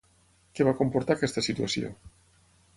Què va comportar aquesta situació?